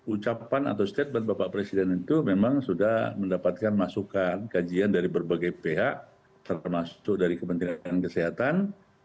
ucapan atau statement bapak presiden itu memang sudah mendapatkan masukan kajian dari berbagai pihak termasuk dari kementerian kesehatan